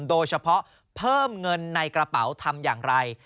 โดยเฉพาะเพิ่มเงินในกระเป๋าทำอย่างไร